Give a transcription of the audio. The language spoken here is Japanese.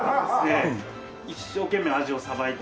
一生懸命アジをさばいて。